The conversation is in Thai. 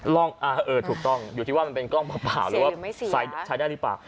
ถูกต้องถูกต้องอยู่ที่ว่ามันเป็นกล้องเปล่าหรือว่าใช้ได้หรือเปล่า